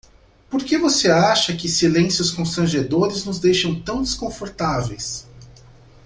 Por que você acha que silêncios constrangedores nos deixam tão desconfortáveis?